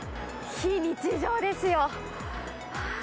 非日常ですよ。